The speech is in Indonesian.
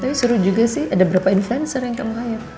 tapi seru juga sih ada berapa influencer yang kembali